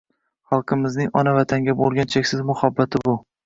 Xalqimizning Ona Vatanga boʻlgan cheksiz muhabbati bu